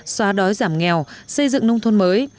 xóa đói giảm nghèo xây dựng nông thôn mới